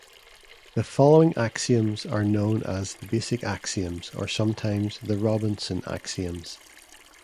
The following axioms are known as the "basic axioms", or sometimes the "Robinson axioms.